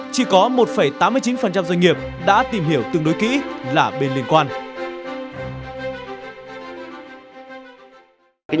chỉ có một tám mươi chín doanh nghiệp đã tìm hiểu tương đối kỹ là bên liên quan